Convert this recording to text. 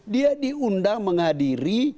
dia diundang menghadiri